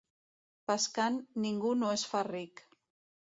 Pescant ningú no es fa ric.